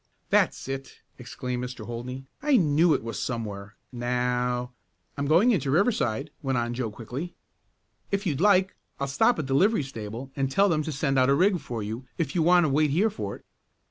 "That's it!" exclaimed Mr. Holdney. "I knew it was somewhere. Now " "I'm going into Riverside," went on Joe quickly. "If you like I'll stop at the livery stable and tell them to send out a rig for you if you want to wait here for it."